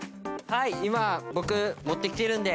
はい今僕持ってきてるんで。